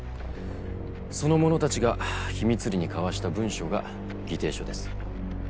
その者たちが秘密裏に交わした文書が議定書です。